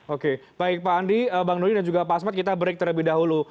oke baik pak andi bang doli dan juga pak asmat kita break terlebih dahulu